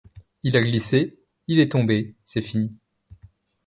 Il a glissé, il est tombé, c’est fini.